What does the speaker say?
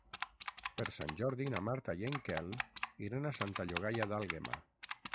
Per Sant Jordi na Marta i en Quel iran a Santa Llogaia d'Àlguema.